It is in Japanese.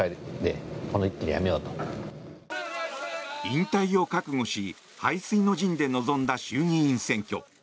引退を覚悟し背水の陣で臨んだ衆議院選挙。